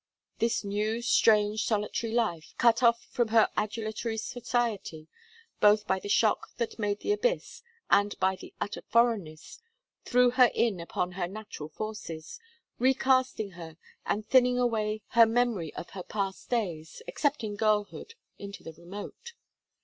This new, strange, solitary life, cut off from her adulatory society, both by the shock that made the abyss and by the utter foreignness, threw her in upon her natural forces, recasting her, and thinning away her memory of her past days, excepting girlhood, into the remote.